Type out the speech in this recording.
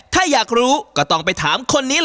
ถ้าอยากรู้ก็ต้องไปถามคนนี้ล่ะ